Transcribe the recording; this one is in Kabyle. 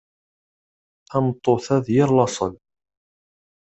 Tameṭṭut-a d yir laṣel.